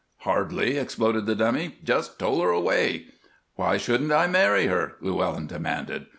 "Hardly!" exploded the Dummy. "Just toll her away." "Why shouldn't I marry her?" Llewellyn demanded.